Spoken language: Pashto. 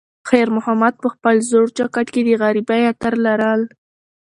خیر محمد په خپل زوړ جاکټ کې د غریبۍ عطر لرل.